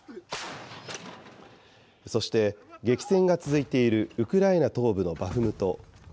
そして、激戦が続いているウクライナ東部のバフムト。